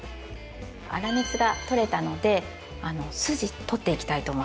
粗熱が取れたので筋取っていきたいと思います。